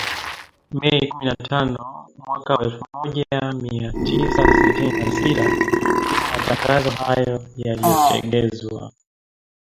Mei kumi na tano mwaka elfu moja mia tisa sitini na sita ndipo matangazo hayo yaliongezewa